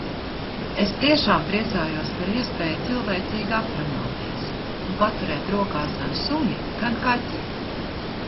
Es tiešām priecājos par iespēju cilvēcīgi aprunāties. Un paturēt rokās gan suni, gan kaķi.